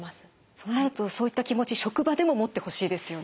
そうなるとそういった気持ち職場でも持ってほしいですよね。